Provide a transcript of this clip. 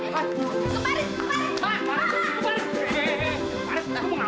nampak banget gua